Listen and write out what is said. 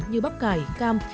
như bắp cải cam